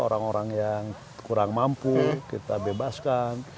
orang orang yang kurang mampu kita bebaskan